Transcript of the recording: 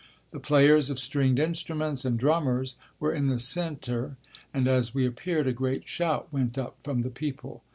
The players of stringed instruments and drummers were in the center, and as we appeared a great shout went up from the people.